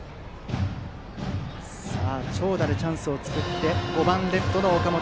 長打でチャンスを作ってバッターは５番レフト、岡本。